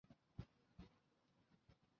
奥尔良是一座历史悠久的城市。